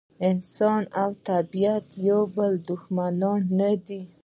انسان او طبیعت د یو بل دښمنان نه دي.